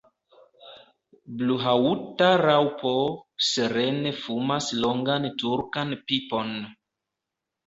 Bluhaŭta raŭpo serene fumas longan turkan pipon.